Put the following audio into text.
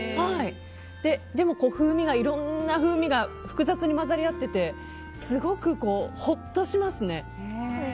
でもいろんな風味が複雑に混ざり合っててすごくほっとしますね。